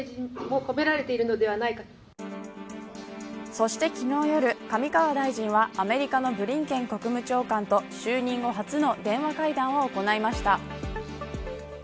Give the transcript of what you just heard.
そして昨日夜、上川大臣はアメリカのブリンケン国務長官と就任後初の電話会談を行いました。